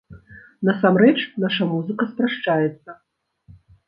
Насамрэч, наша музыка спрашчаецца.